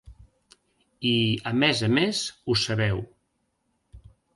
I, a més a més, ho sabeu.